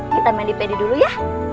kita medipedi dulu ya